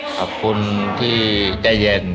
ขอบคุณที่ใจเย็น